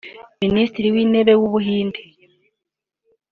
Minisitiri w’Intebe w’u Buhinde